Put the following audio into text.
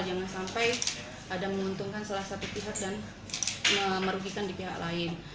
jangan sampai ada menguntungkan salah satu pihak dan merugikan di pihak lain